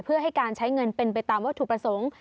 เพื่อให้การใช้เงินเป็นไปตามวัตถุประสงค์